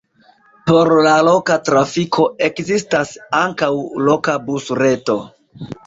Por la loka trafiko ekzistas ankaŭ loka busreto.